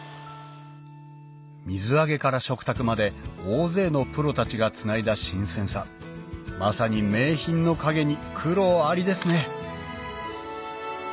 水揚げから食卓まで大勢のプロたちがつないだ新鮮さまさに名品の陰に苦労ありですね